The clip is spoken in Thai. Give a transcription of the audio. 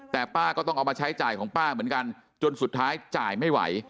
แต่ป้าก็ต้องเอามาใช้จ่ายของป้าเหมือนกันจนสุดท้ายจ่ายไม่ไหว